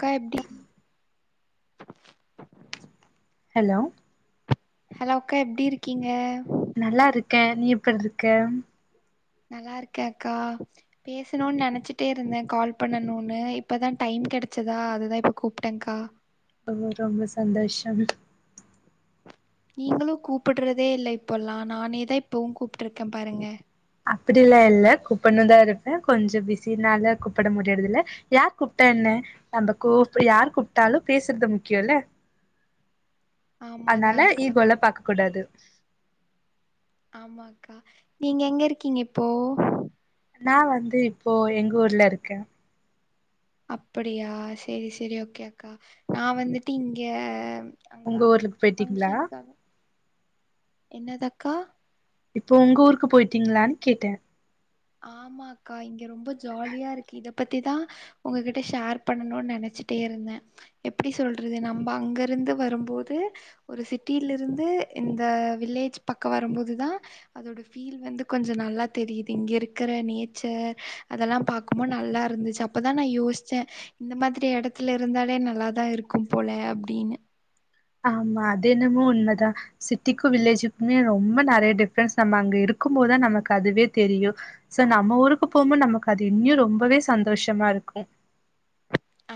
கா எப்டி hello hello அக்கா எப்டி இருக்கீங்க நல்லா இருக்கே நீ எப்பர் இருக்க நல்லா இருக்கே அக்கா பேசணுன் நினச்சிட்டே இருந்தே கால் பண்ணணுனு இப்பதா டைம் கிடச்சதா அதுதா இப்ப கூப்ட்டேங்கா [inaudible] ரொம்ப சந்தோஷம் நீங்களு கூப்பிட்றதே இல்ல இப்பல்லா நானேதா இப்போவ் கூப்ட்டுருக்கே பாருங்க அப்படில்லா இல்ல கூப்பணுதா இருப்பே கொஞ்ச பிஸினால கூப்பட முடியறதில்ல யார் கூப்ட்டா என்ன நம்ப கோ யார் கூப்ட்டாலு பேசுறது முக்கியோல்ல [inaudible] ஆமாதா அனால அக்கா ஈகோலா பாக்க கூடாது ஆமாக்கா நீங்க எங்க இருக்கீங்க இப்போ நா வந்து இப்போ எங்க ஊர்ல இருக்கே அப்படியா செரி செரி ஓகே அக்கா நா வந்துட்டு இங்க அங்க உங்க ஊருக் போயிட்டீங்ளா ஃபங்க்ஷனுக்காக என்னது அக்கா இப்போ ஒங்க ஊருக்கு போயிட்டீங்களான் கேட்ட ஆமாக்கா இங்க ரொம்ப ஜாலியா இருக்கு இத பத்திதா உங்ககிட்ட ஷேர் பண்ணணுன் நெனச்சிட்டே இருந்தே எப்டி சொல்றது நம்ப அங்க இருந்து வரும்போது ஒரு சிட்டில் இருந்து இந்த வில்லேஜ் பக்க வரம்போதுதா அதோட ஃபீல் வந்து கொஞ்சோ நல்லா தெரியுது இங்க இருக் க்கற நேச்சர் அதெல்லா பாக்கு போ நல்லா இருந்துச்சு அப்பதா நா யோஸ்ச்சே இந்த மாதிரி இடத்துல இருந்தாலே நல்லாதா இருக்கு போல அப்டின்னு ஆமா அது என்னமோ உண்மதா சிட்டிக்கு வில்லேஜ்க்குமே ரொம்ப நெறைய டிஃப்ரன்ஸ் நம்ம அங்க இருக்கு போதுதா நமக் அதுவே தெரியு சோ நம்ம ஊருக்கு போகும்போது நமக்கு அது இன்னு ரொம்பவே சந்தோஷமா இருக்கு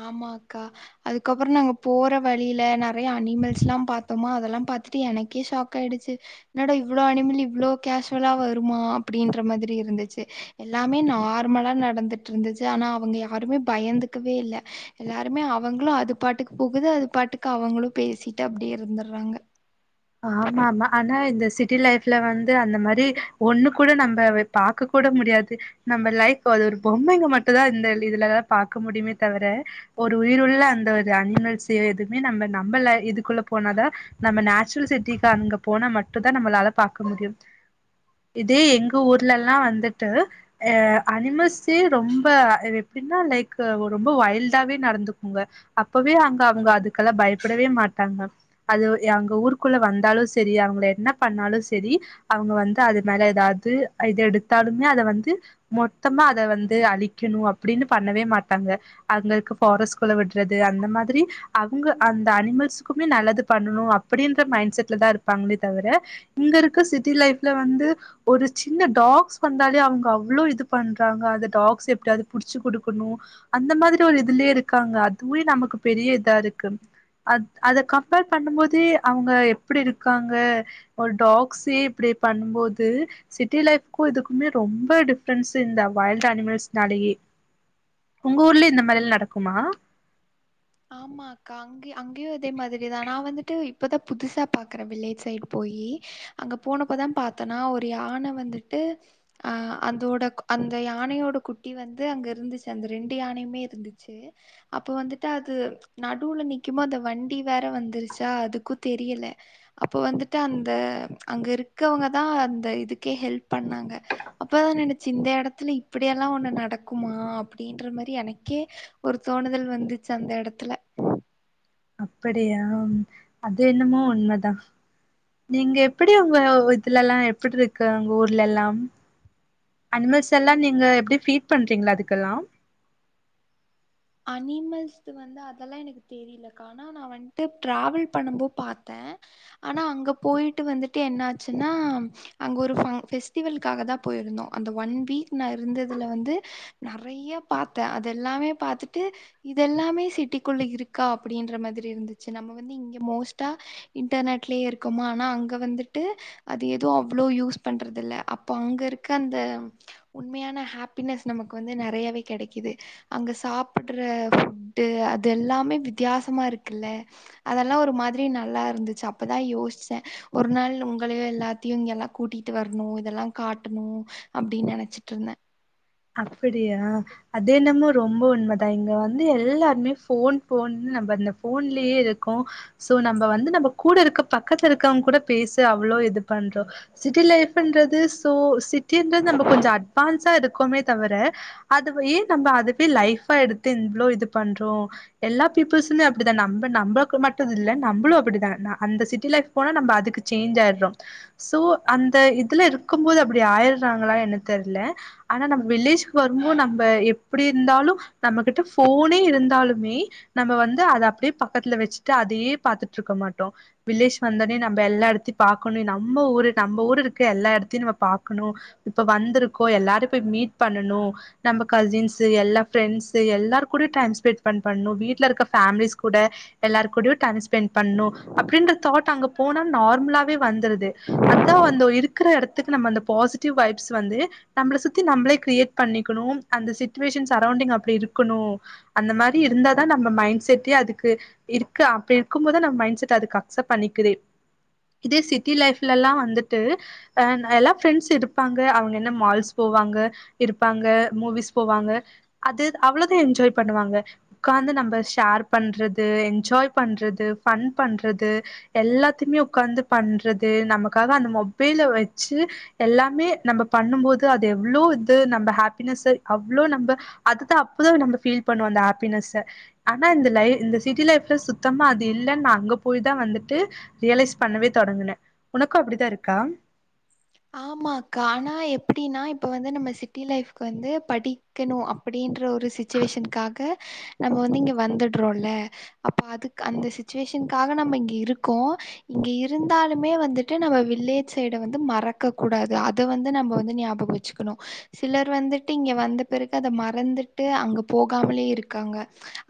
ஆமா அக்கா அதுக்கப்பறொ நாங்க போற வழியில நெறையா அனிமல்ஸ்லா பாத்தொமா அதெல்லா பாத்துட்டு எனக்கே ஷாக் காய்டுச்சி என்னடா இவ்ளோ அனிமல் இவ்ளோ கேசுவலா வருமா அப்டின்ற மாதிரி இருந்துச்சி எல்லாமே நார்மலா நடந்துட்ருந்துச்சி ஆனா அவங்க யாருமே பயந்துக்கவே இல்ல எல்லாருமே அவங்ளு அது பாட்டுக்கு போகுது அது பாட்டுக்கு அவங்களு பேசிட்டு அப்டியே இருந்துர்றாங்க ஆமாமா ஆனா இந்த சிட்டி லைஃப்ல வந்து அந்த மாரி ஒண்ணு கூட நம்ப வ பாக்க கூட முடியாது நம்ம லைஃப் அது ஒரு பொம்மைங்க மட்டுதா இந்த லிதுலதா பாக்க முடியுமே தவர ஒரு உயிருள்ள அந்த ஒரு அனிமெல்ஸ் செ எதுமே நம்ம நம்மல இதுக்குள்ள போனாதா நம்ம நே சுல் சிட்டிக்கங்க போனா மட்டுதா நம்மளால பாக்க முடியு இதே எங்க ஊர்லல்லா வந்துட்டு அ அனிமல்ஸே ரொம்ப அதெப்டின்னா லைக்கு ஒ ரொம்ப வைல்டாவே நடந்துக்குங்க அப்பவே அங்க அவங்க அதுக்கெலா பயப்படவே மாட்டாங்க அதுவ் யங்க ஊர் குள்ள வந்தாலு சரி அவங்கள என்ன பண்ணாலு சரி அவங்க வந்து அது மேல எதாது இது எடுத்தாலுமே அத வந்து மொத்தமா அத வந்து அழிக்கணூ அப்டின்னு பண்ணவே மாட்டாங்க அதுங்கள்க்கு ஃபாரஸ்ட் குள்ள விட்றது அந்த மாதிரி அவுங்க அந்த அனிமல்ஸுக்குமே நல்லது பண்ணணூ அப்பிடின்ற மைண்ட் செட்லதா இருப்பாங்களே தவிர இங்கருக்க சிட்டி லைஃப்ல வந்து ஒரு சின்ன டாக்ஸ் வந்தாலே அவங்க அவ்ளோ இது பண்றாங்க அந்த டாக்ஸ் எப்டியாது புடிச்சி குடுக்கணூ அந்த மாதிரி ஒரு இதுலயே இருக்காங்க அதுவே நமக்கு பெரிய இதா இருக்கு அத் அத கப்பேர் பண்ணும்போதூ அவுங்க எப்டி இருக்காங்க ஒரு டாக்ஸே இப்டி பண்ணும்போதூ சிட்டி லைஃப்க்கு இதுக்குமே ரொம்ப டிஃப்ரென்ஸ்ஸு இந்த வைல்ட் அனிமல்ஸ்னாலயே உங்க ஊர்ல இந்த மாரில் நடக்குமா ஆமா அக்கா அங்கய் அங்கயு இதே மாதிரிதா நா வந்துட்டு இப்பதா புதுசா பாக்குறே வில்லேஜ் சைட் போயீ அங்க போனப்பதா பாத்தனா ஒரு யான வந்துட்டு அ அந்தோடக் அந்த யானயோட குட்டி வந்து அங்க இருந்துச்சி அந்த ரெண்டு யானையுமே இருந்துச்சீ அப்பொ வந்துட் டு அது நடுவுல நிக்குமோ அந்த வண்டி வேற வந்துருச்சா அதுக்கூ தெரியலெ அப்பொ வந்துட்டு அந்த அங்க இருக்கவங்கதா அந்த இதுக்கே ஹெல்ப் பண்ணாங்க அப்பதா நெனச்சிந்த எடத்துல இப்டியெல்லா ஒண்ணு நடக்குமா அப்டின்ற மாரி எனக்கே ஒரு தோணுதல் வந்துச்சு அந்த எடத்துல அப்படியா அது என்னமோ உண்மதா நீங்க எப்படி ஒங்கவ் இதுலல்லா எப்பிட்ருக்கு ஒங்க ஊர்லெல்லாம் அனிமல்ஸ் எல்லா நீங்க எப்டி ஃபீட் பண்றிங்ளா அதுக்கெல்லா அனிமல்ஸ்து வந்து அதெல்லா எனக்கு தெரிலக் ஆனா நா வன்ட்டு ட்ராவல் பண்ணும்போ பாத்தே ஆனா அங்க போய்ட்டு வந்துட்டு என்னாச்சுன்னா அங்க ஒரு ஃபங் பெஸ்டிவல்க்காகதா பொயிருந்தோ அந்த ஒன் வீக் நா இருந்ததுல வந்து நெறையா பாத்தே அதெல்லாமே பாத்துட் டு இதெல்லாமே சிட்டிக்குள்ள இருக்கா அப்டின்ற மாதிரி இருந்துச்சு நம்ம வந்து இங்க மோஸ்ட்டா இன்டர்நெட்லயே இருக்கொமா ஆனா அங்க வந்துட்டு அது எதுவு அவ்ளோ யூஸ் பண்றதில்ல அப்பொ அங்க இருக்க அந்த உண்மையான ஹேப்பினஸ் நமக்கு வந்து நெறையாவே கெடைக்கிது அங்க சாப் சப்படுற ஃபுட்டு அது எல்லாமே வித்தியாசமா இருக்குல்ல அதெல்லா ஒரு மாதிரி நல்லா இருந்துச்சு அப்பதா யோஸ்ச்சே ஒரு நாள் உங்களயோ எல்லாத்தையு இங்கெல்லா கூட்டிட்டு வரணு இதெல்லா காட்டணு அப்டின் நெனச்சிட்டுருந்த அப்புடியா அது என்னமோ ரொம்ப உண்மதா இங்க வந்து எல்லாருமே ஃபோன் ஃபோன்னு நம்ம அந்த ஃபோன்லேயே இருக்கோ சோ நம்ப வந்து நம்ம கூட இருக்க பக்கத்துல இருக்கவுங்க கூட பேச அவ்ளோ இது பண்றோ சிட்டி லைஃப்ன்றது சோ சிட்டின்றது நம்ம கொஞ்சோ அட்வான்ஸா இருக்கோமே தவர அதுவயே நம்ம அதுவே லைஃபா எடுத்து இந் இவ்ளோ இது பண்றோ எல்லா பீப்புள்ஸுமே அப்டித்தா நம்ப நம்க்கு மட்டுதில்ல நம்ளு அப்டிதா அந்த சிட்டி லைஃப் போனா நம்ப அதுக்கு சேஞ்ச் ஆயிட்றோ சோ அந்த இதுல இருக்கும் போது அப்டி ஆய்டுறாங்களா என்ன தெர்ல ஆனா நம்ப வில்லேஜ்கு வரும்போ நம்ப எப்டி இருந்தாலு நம்கிட்ட ஃபோனே இருந்தாலுமே நம் வந்து அத அப்டியே பக்கத்துல வச்சுட்டு அதையே பாத்துட்டு இருக்க மாட்டோ வில்லேஜ் வந்தோனே நம்ம எல்லா இடத்தை பாக்கணு நம்ம ஊரு நம்ம ஊரு இருக்க எல்லா இடத்தையு நம்ம பாக்கணு இப்ப வந்திருக்கோ எல்லாரையு போய் மீட் பண்ணணு நம்ப கசின்ஸு எல்லா ஃப்ரெண்ட்ஸு எல்லார்கூடயு டைம் ஸ்பெண்ட் பண் பண்ணு வீட்ல இருக்க ஃபேமிலிஸ் கூட எல்லார் கூடயு டைம் ஸ்பெண்ட் பண்ணு அப்டின்ற தாட் அங்க போனா நார்மலாவே வந்துருது அதா வந்து இருக்கிற இடத்துக்கு நம்ப அந்த பாசிட்டிவ் வைப்ஸ் வந்து நம்ள சுத்தி நம்பளே கிரியேட் பண்ணிக்குணு அந்த சிச்சுவேஷன் சரௌண்டிங் அப்டி இருக்குணு அந்த மாரி இருந்தாதா நம்ம மைண்ட் செட்டே அதுக்கு இருக்கு அப்டி இருக்கும் போதா நம்ம மைண்ட் செட் அதுக்கு அக்செப்ட் பண்ணிக்குதே இதே சிட்டி லைஃப்லலா வந்துட்டு அ எல்லா ஃப்ரெண்ட்ஸ் இருப்பாங்க அவுங்க என்ன மால்ஸ் போவாங்க இருப்பாங்க மூவிஸ் போவாங்க அது அவ்ளோதா என்ஜாய் பண்ணுவாங்க உக்காந்து நம்ம ஷேர் பண்றது என்ஜாய் பண்றது ஃபன் பண்றது எல்லாத்தியுமே உக்காந்து பண்றது நமக்காக அந்த மொபைல வச்சு எல்லாமே நம்ப பண்ணும் போது அது எவ்ளோ இ து நம்ப ஹாப்பினஸ்ஸ அவ்ளோ நம்ப அதுதா அப்தா நம்ப ஃபீல் பண்ணுவோ அந்த ஹாப்பினஸ்ஸ ஆனா இந்த லை இந்த சிட்டி லைஃப்ல சுத்தமா அது இல்லன்னு நா அங்க போயி தா வந்துட்டு ரியலைஸ் பண்ணவே தொடங்குன உனக்கு அப்டிதா இருக்கா ஆமா அக்கா ஆனா எப்டின்னா இப்ப வந்து நம்ம சிட்டி லைஃப்க் வந்து படி க்கணு அப்டின்ற ஒரு சிச்சுவேஷனுக்காக நம்ம வந்து இங்க வந்துட்றோல அப்ப அதுக்கு அந்த சிச்சுவேஷனுக்காக நம்ம இங்க இருக்கோ இங்க இருந்தாலுமே வந்துட்டு நம்ம வில்லேஜ் சைட வந்து மற க்க கூடாது அத வந்து நம்ப வந்து ஞாபக வச்சுக்கணு சிலர் வந்துட்டு இங்க வந்த பிறகு அத மறந்துட்டு அங்க போகாமலே இருக்காங்க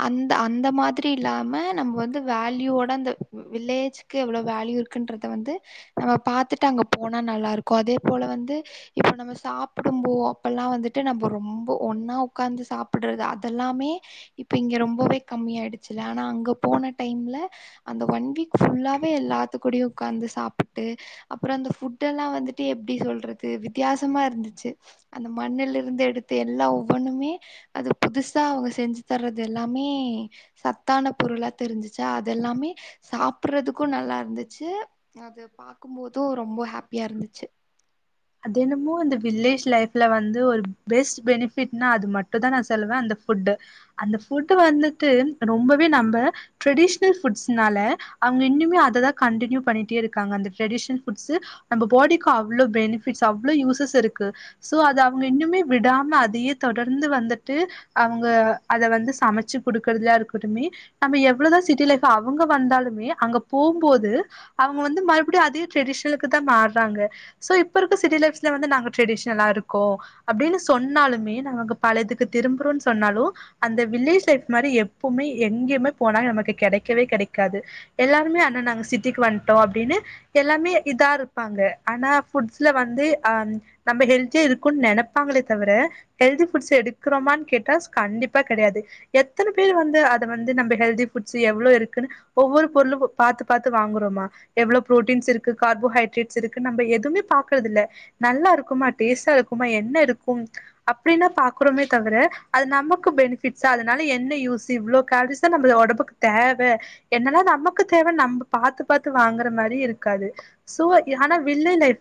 அந்த அந்த மாதிரி இல்லாம நம்ம வந்து வேல்யூவோட அந்த வில்லேஜ் க்கு எவ்ளோ வேல்யூ இருக்குன்றத வந்து நம்ம பாத்துட்டு அங்க போனா நல்லா இருக்கு அதே போல வந்து இப்போ நம்ப சாப்பிடும்போ அப்பல்லா வந்துட்டு நம்ப ரொம்ப ஒன்னா ஒக்காந்து சாப்படுறது அதெல்லாமே இப்ப இங்க ரொம்பவே கம்மி ஆயிடுச்சுல ஆனா அங்க போன டைம்ல அந்த ஒன் வீக் ஃபுல்லாவே எல்லாத்து கூடையு உக்காந்து சாப்பிட்டு அப்புறோ அந்த ஃபுட் எல்லா‌ வந்து எப்டி சொல்றது வித்தியாசமா இருந்துச்சு அந்த மண்ணுல இருந்து எடுத்து எல்லா ஒவ்வொண்ணுமே அது புதுசா அவுங்க செஞ்சு தர்றது எல்லாமே சத்தான பொருளா தெரிஞ்சிச்சா அதெல்லாமே சாப்பிடுறதுக்கு நல்லா இருந்துச்சு அத பாக்கும் மோது ரொம்ப ஹாப்பியா இருந்துச்சு அதென்னமோ இந்த வில்லேஜ் லைஃப்ல வந்து ஒரு பெஸ்ட் பெனிஃபிட்னா அது மட்டு தா நா சொல்லுவ அந்த ஃபுட்டு அந்த ஃபுட்டு வந்துட்டு ரொம்பவே நம்ப ட்ரெடிஷ்னல் ஃபுட்ஸ்னால அவுங்க இன்னுமே அததானன கண்டினியூ பண்ணிட்டே இருகாங்க அந்த ட்ரெடிஷனல் ஃபுட்ஸு நம்ம பாடிக்கு அவ்ளோ பெனி ஃபிட்ஸ் அவ்ளோ யூசஸ் இருக்கு சோ அது அவுங்க இன்னுமே விடாம அதயே தொடர்ந்து வந்துட்டு அவுங்க அத வந்து சமச்சு குடுக்கறதுலா இருக்கட்டுமே நம்ம எவ்ளதா சிட்டி லைஃப் அவுங்க வந்தாலுமே அங்க போம்போது அவங்க வந்து மறுபடியு அதே ட்ரெடிஷ்னலுக்கு தா மாற்றாங்க சோ இ ப்ப இருக்க சிட்டி லைஃப்ஸ்ல வந்து நாங்க டரெடிஷ்னலா இருக்கோ அப்டின்னு சொன்னாலுமே நாங்க பழ இதுக்கு திரும்புறோன் சொன்னாலு அந்த வில்லேஜ் லைஃப் மாரி எப்புமே எங்கேய்மே போனாவு நமக்கு கெடைக்கவே கெடைக்காது எல்லாருமே அனா நாங்க சிட்டிக்கு வந்ட்டோ அப்டினு எல்லாமே இதா இருப்பாங்க ஆனா ஃபுட்ஸ்ல வந்து அ நம்ப ஹெல்தியா இருக்குன் நெனப்பாங்களே தவிர ஹெல்தி ஃபுட்ஸ் எடுக்றோமான் கேட்டா கண்டிப்பா கெடையாது எத்தன பேர் வந்து அத வந்து நம்ப ஹெல்தி ஃபுட்ஸ் எவ்ளோ இருக்குனு ஒவ்வொரு பொருளு போ பாத்து பாத்து வாங்குறோமே எவ்ளோ புரோட்டீன்ஸ் இருக்கு கார்போஹைட்ரேட்ஸ் இருக்கு நம்ப எதுமே பாக்குறதில்ல நல்லா இருக்குமா டேஸ்ட்டா இருக்குமா என்ன இருக்கு அப்படின்னா பாக்கறோமே தவிர அது நமக்கு பெனிஃபிட்ஸா அதனால என்ன யூஸு இவ்ளோ கேல்ரிஸ நம்ப ஒடம்புக்கு தேவ என்னன்னா நமக்கு தேவ நம்ம பாத்து பாத்து வாங்குற மாரி இருக்காது சோ இ ஆனா வில்லே லை ஃப்ல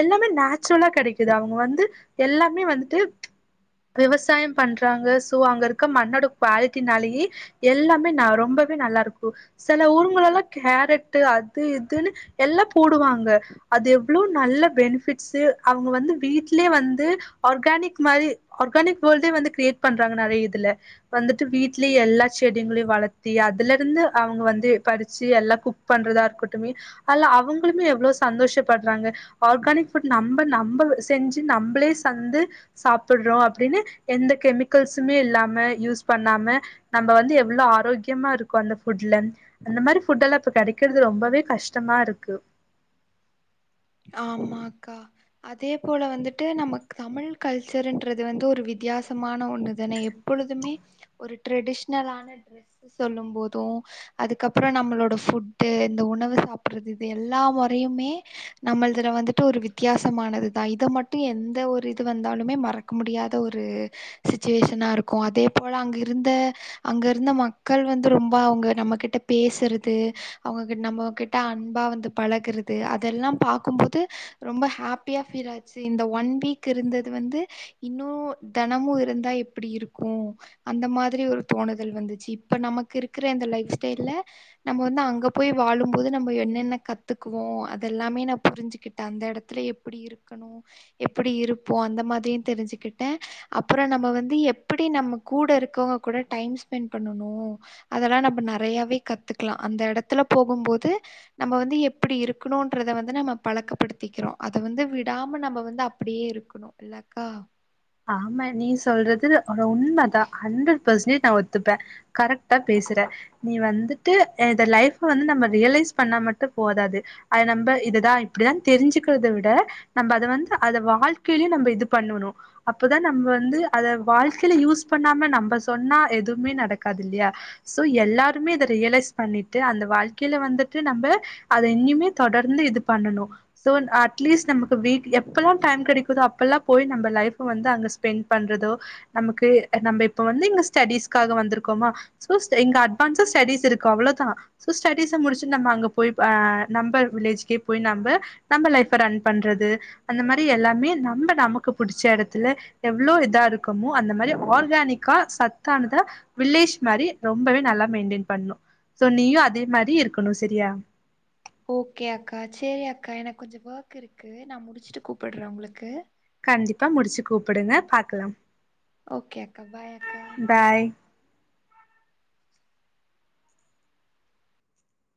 எல்லாமே நேச்சுரலா கெடைக்குது அவங்க வந்து எல்லாமே வந்துட்டு விவசாயம் பண்றாங்க சோ அங்கருக்க மண்ணோட குவாலிட்டினாலயே எல்லாமே ந ரொம்பவே நல்லாருக்கு சில ஊருங்களல்லா கேரட்டு அது இதுன்னு எல்லாப் போடுவாங்க அது எவ்ளோ நல்ல பெனிஃபிட்ஸு அவுங்க வந்து வீட்லயே வந்து ஆர்கானிக் மாரி ஆர்கானிக் வேல்டே வந்து க்ரியேட் பண்றாங்க நெறைய இதுல வந்துட்டு வீட்லியே எல்லா செடிங்ளையு வளத்தி அதுல இருந்து அவுங்க வந்து பறிச்சு எல்லா குக் பண்றதா இருக்கட்டுமே அல்ல அவுங்களுமே எவ்ளோ சந்தோஷப் பட்றாங்க ஆர்கானிக் ஃபுட் நம்ம நம்ப செஞ்சு நம்பளே சந்து சாப்புட்றோ அப்டினு எந்த கெமிக்கல்ஸுமே இல்லாம யூஸ் பண்ணாம நம்ப வந்து எவ்ளோ ஆரோக்கியமா இருக்கு அந்த ஃபுட்ல அந்த மாரி ஃபுட்டெல்லா இப்ப கெடைக்கிறது ரொம்பவே கஷ்டமா இருக்கு ஆமாக்கா அதே போல வந்துட்டு நமக் தமிழ் கல்சருன்றது வந்து ஒரு வித்தியாசமான ஒன்னு தானே எ ப்பொழுதுமே ஒரு ட்ரெடிஷ்னலான ட்ரெஸு சொல்லும் போது அதுக்கப்புறோ நம்மளோட ஃபுட்டு இந்த உணவு சாப்பிறது இது எல்லா மொறையுமே நம்மள்துல வந்துட்டு ஒரு வித்தியாசமானதுதா இத மட்டு எந்த ஒரு இது வந்தாலுமே மறக்க முடியாத ஒரு சிச்சுவேஷனாருக்கு அதே போல அங்க இருந்த அங்கருந்த மக்கள் வந்து ரொம்ப அவங்க நம்ம கிட்ட பேசுறது அவுங்க கிட் நம்ம கிட்ட அன்பா வந்து பழகுறது அதெல்லாம் பாக்கும்போது ரொம்ப ஹாப்பியா ஃபீல் ஆச்சு இந்த ஒன் வீக் இருந்தது வந்து இன்னு தெனமு இருந்தா எப்படி இருக்கு அந்த மாதிரி ஒரு தோணுதல் வந்துச்சு இப்ப நமக்கு இருக்கிற இந்த லைஃப் ஸ்டைல்ல நம்ம வந்து அங்க போய் வாழும்போது நம்ம என்னென்ன கத்துக்குவோ அதெல்லாமே நா புரிஞ்சுகிட்ட அந்த இடத்துல எப்புடி இருக்கணு எப்புடி இருப்போ அந்த மாதிரியு தெரிஞ்சுக்கிட்ட அப்புறம் நம்ம வந்து எப்புடி நம்ம கூட இருக்கவங்க கூட டைம் ஸ்பெண்ட் பண்ணனு அதல்லா நம்ம நெறையாவே கத்துக்கலா அந்த இடத்துல போகும்போது நம்ம வந்து எப்பிடி இருக்கணுன்றத வந்து நம்ம பழக்கப்படுத்திக்கிறோ அத வந்து விடாம நம்ம வந்து அப்படியே இருக்கணு இல்லக்கா ஆமா நீ சொல்றது ஒரு உண்மதா ஹண்ட்ரட் பெர்சன்டேஜ் நா ஒத்துப்ப கரெக்டா பேசுற நீ வந்துட்டு இத லைஃப் வந்து நம்ம ரியலைஸ் பண்ணா மட்டு போதாது அத நம்ம இததா இப்புடிதா தெரிஞ்சுக்கிறத விட நம்ம அத வந்து அத வாழ்க்கைலயு நம்ம இது பண்ணோணு அப்பதா நம்ழ வந்து அத வாழ்கைல யூஸ் பண்ணாம நம்ம சொன்னா எதுவுமே நடக்காது இல்லையா சோ எல்லாருமே இத ரியலைஸ் பண்ணிட்டு அந்த வாழ்க்கையில வந்துட்டு நம்ப அத இங்யுமே தொடர்ந்து இது பண்ணணு சோ அட்லீஸ்ட் நமக்கு வீக் எப்பல்லா டைம் கெடைக்குதோ அப்பெல்லா போய் நம்ப லைஃப் வந்து அங்க ஸ்பெண்டட் பண்றதோ நமக்கு நம்ப இப்ப வந்து இங்க ஸ்டடிஸ்க்காக வந்திருக்கோமா சோ இங்க அட்வான்ஸா ஸ்டடிஸ் இருக்கு அவ்ளோதா சோ ஸ்டடிஸ முடிச்சிட்டு நம்ம அங்க போய் அஹ் நம்ப வில்லேஜ்கே போய் நம்ப நம்ம லைஃப் ரன் பண்றது அந்த மாரி எல்லாமே நம்ம நமக்கு புடிச்ச எடத் துல எவ்ளோ இதா இருக்குமோ அந்த மாரி ஆர்கானிக்கா சத் கானதா வில்லேஷ் மாரி ரொம்பவே நல்லா மெயின்டெய்ன் பண்ணு சோ நீயு அதே மாதிரி இருக்கணு சரியா ஓகே அக்கா சேரி அக்கா எனக்கு கொஞ்சம் ஒர்க் இருக்கு நா முடிச்சிட்டு கூப்பட்றே உங்ளுக்கு கண்டிப்பா முடிச்சு கூப்புடுங்க பாக்கலா ஓகே அக்கா பாய் அக்கா பாய்